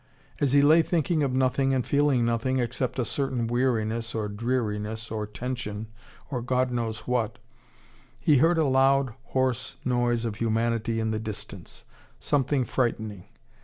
As he lay thinking of nothing and feeling nothing except a certain weariness, or dreariness, or tension, or God knows what, he heard a loud hoarse noise of humanity in the distance, something frightening.